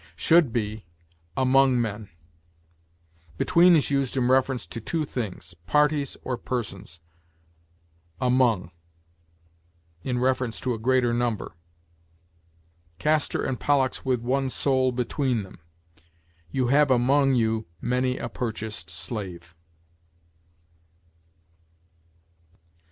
Should be, "among men." Between is used in reference to two things, parties, or persons; among, in reference to a greater number. "Castor and Pollux with one soul between them." "You have among you many a purchased slave."